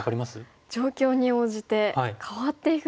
状況に応じて変わっていくんですね。